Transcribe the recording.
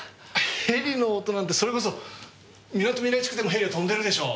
ヘリの音なんてそれこそみなとみらい地区でもヘリは飛んでるでしょう？